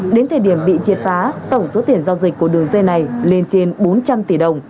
đến thời điểm bị triệt phá tổng số tiền giao dịch của đường dây này lên trên bốn trăm linh tỷ đồng